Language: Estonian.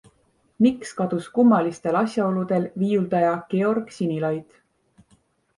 Miks kadus kummalistel asjaoludel viiuldaja Georg Sinilaid?